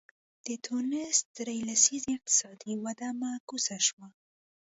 د ټونس درې لسیزې اقتصادي وده معکوسه شوه.